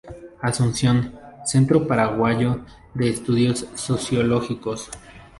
Asunción: Centro Paraguayo de Estudios Sociológicos.